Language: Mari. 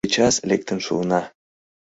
— Сейчас лектын шуына.